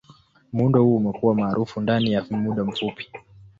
Muundo huu umekuwa maarufu ndani ya muda mfupi.